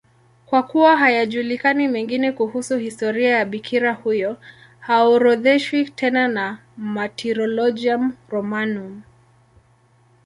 Kwa kuwa hayajulikani mengine kuhusu historia ya bikira huyo, haorodheshwi tena na Martyrologium Romanum.